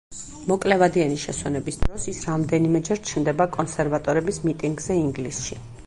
მოკლევადიანი შესვენების დროს ის რამდენიმეჯერ ჩნდება კონსერვატორების მიტინგზე ინგლისში.